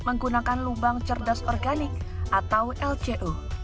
menggunakan lubang cerdas organik atau lcu